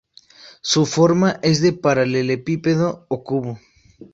Su forma es de paralelepípedo o cubo.